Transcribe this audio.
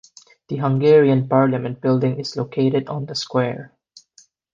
The Hungarian Parliament Building is located on the square.